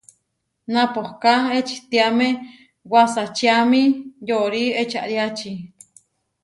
Napohká ečitiáme wasačiami yóri ečariáči.